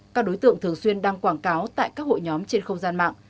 các đối tượng thường xuyên đăng quảng cáo tại các hội nhóm trên không gian mạng